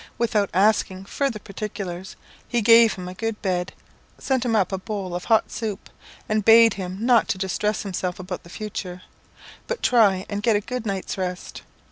Without asking further particulars, he gave him a good bed, sent him up a bowl of hot soup, and bade him not distress himself about the future, but try and get a good night's rest.